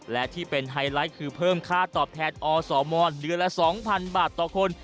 และที่เป็นไฮไลท์คือเพิ่มค่าตอบแทนอสมเดือนละ๒๐๐๐บาทต่อคน